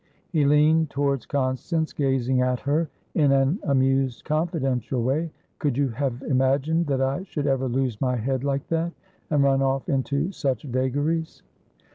He leaned towards Constance, gazing at her in an amused, confidential way. "Could you have imagined that I should ever lose my head like that, and run off into such vagaries?"